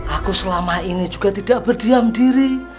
aku selama ini juga tidak berdiam diri